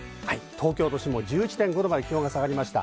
東京都心も１１．５℃まで気温が下がりました。